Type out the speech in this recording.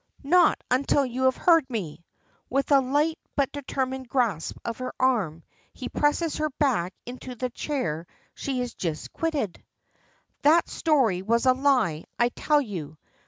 "Not until you have heard me!" With a light, but determined grasp of her arm, he presses her back into the chair she has just quitted. "That story was a lie, I tell you.